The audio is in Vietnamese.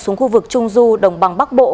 xuống khu vực trung du đồng bằng bắc bộ